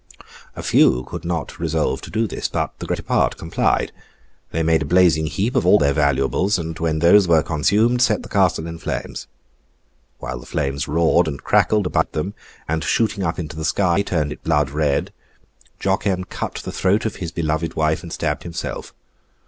A few could not resolve to do this, but the greater part complied. They made a blazing heap of all their valuables, and, when those were consumed, set the castle in flames. While the flames roared and crackled around them, and shooting up into the sky, turned it blood red, Jocen cut the throat of his beloved wife, and stabbed himself.